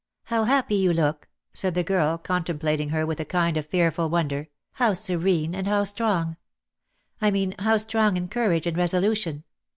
.. "How happy you look," said the girl, con templating her with a kind of fearful wonder, "how serene, and how strong! I mean how strong in courage and resolution."